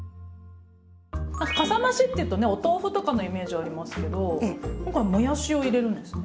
カサ増しっていうとねお豆腐とかのイメージありますけど今回もやしを入れるんですね。